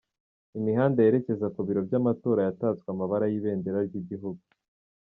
Imihanda yerekeza ku biro by'amatora yatatswe amabara y'ibendera ry'igihugu.